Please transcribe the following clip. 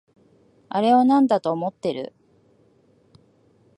あれをなんだと思ってる？